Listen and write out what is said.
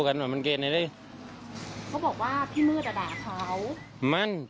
และเขาด่าเรื่องอะไรกันสิ